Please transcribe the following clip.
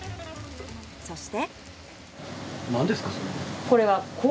そして。